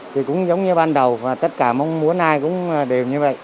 thì cũng giống như ban đầu và tất cả mong muốn ai cũng đều như vậy